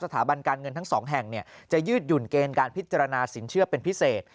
สถาบันการเงินทั้งสองแห่งจะยืดหยุ่นเกณฑ์การพิจารณาสินเชื่อเป็นพิเศษ